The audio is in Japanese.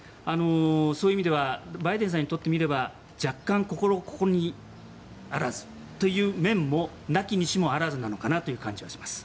そういう意味ではバイデンさんにとってみては若干、心ここにあらずという面も無きにしも非ずなのかなという感じはします。